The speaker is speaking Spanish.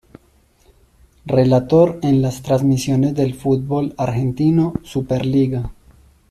Relator en las transmisiones del Futbol Argentino, Superliga.